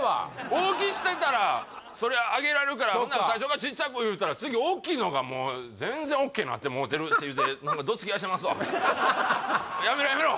大きしてたらそりゃあげられるからほんなら最初からちっちゃく言うたら次大きいのがもう全然オッケーなってもうてるって言うてどつき合いしてますわやめろやめろ！